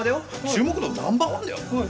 注目度ナンバーワンだよ？